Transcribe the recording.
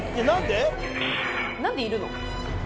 何でいるの？